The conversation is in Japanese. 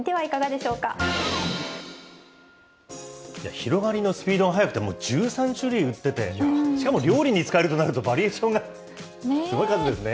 広がりのスピードが速くてもう、１３種類売ってて、しかも料理に使えるとなると、バリエーションが、すごい数ですね。